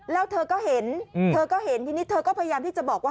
แล้วเธอก็เห็นทีนี้เธอก็พยายามที่จะบอกว่า